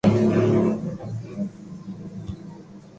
ماري تمنا ھي ڪي ھون امرڪا جاو